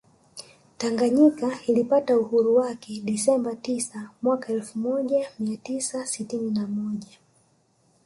Taganyika ilipata uhuru wake Desemba tisa mwaka elfu moja mia tisa sitini na moja